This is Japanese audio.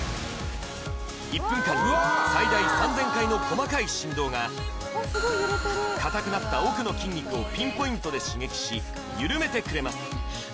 １分間に最大３０００回の細かい振動がかたくなった奥の筋肉をピンポイントで刺激しゆるめてくれます